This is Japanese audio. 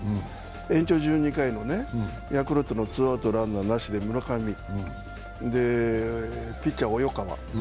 延長１２回のヤクルトのツーアウト、ランナーなしで村上、で、ピッチャーは及川。